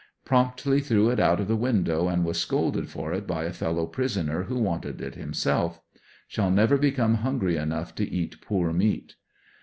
Promptly threw it out of the window and was scolded for it by a fellow pris oner who wanted it himself Shall never become hungry enough to eat poor meat.